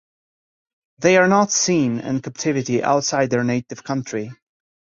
They are not seen in captivity outside their native country.